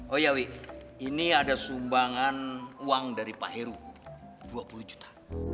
oh yawi ini ada sumbangan uang dari pak heru dua puluh juta